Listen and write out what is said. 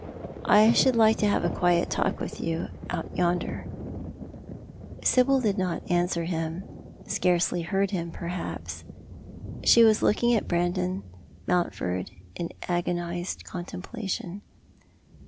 I should like to have a quiet talk with you out ytmder." Sibyl did not answer him, scarcely heard him, perhaps. She was looking at Brandon Mountford in agonised contemplation.